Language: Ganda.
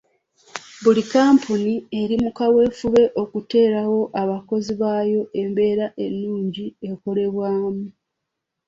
Buli kkampuni eri mu kaweefube okuteerawo abakozi baayo embeera ennungi ekolerwamu.